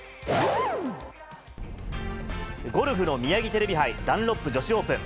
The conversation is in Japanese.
ゴルフのミヤギテレビ杯ダンロップ女子オープン。